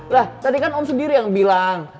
lah tadi kan om sendiri yang bilang